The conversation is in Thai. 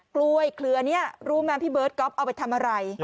กล้วยเครือนี้รู้ไหมพี่เบิร์ตก๊อฟเอาไปทำอะไร